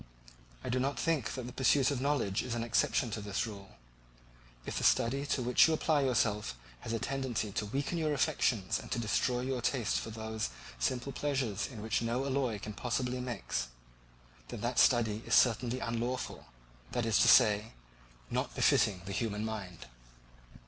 I do not think that the pursuit of knowledge is an exception to this rule. If the study to which you apply yourself has a tendency to weaken your affections and to destroy your taste for those simple pleasures in which no alloy can possibly mix, then that study is certainly unlawful, that is to say, not befitting the human mind.